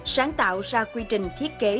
sáng tạo ra quy trình thiết kế